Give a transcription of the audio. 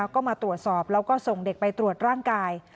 ก็มาตรวจสอบแล้วก็ส่งเด็กไปตรวจร่างกาย